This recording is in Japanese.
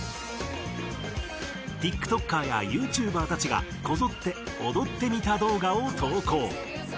ＴｉｋＴｏｋｅｒやＹｏｕＴｕｂｅｒたちがこぞって「踊ってみた動画」を投稿。